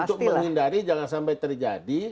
untuk menghindari jangan sampai terjadi